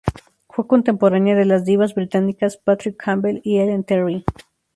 Fue contemporánea de las divas británicas Patrick Campbell y Ellen Terry.